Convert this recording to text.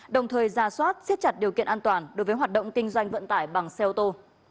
đồng thời ra soát siết chặt điều kiện an toàn đối với hoạt động kinh doanh vận tải bằng xe ô tô